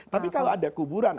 tapi kalau ada kuburan